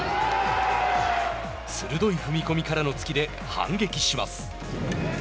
鋭い踏み込みからの突きで反撃します。